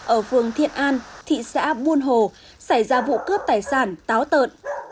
ở phường thiện an thị xã buôn hồ xảy ra vụ cướp tài sản táo tợn